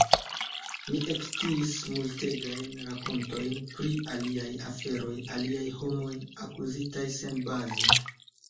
Mi eksciis multegajn rakontojn pri aliaj aferoj, aliaj homoj, akuzitaj senbaze.